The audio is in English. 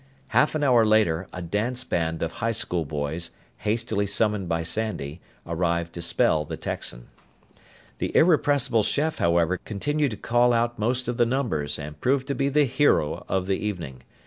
Half an hour later, a dance band of high school boys, hastily summoned by Sandy, arrived to spell the Texan. The irrepressible chef, however, continued to call out most of the numbers and proved to be the hero of the evening.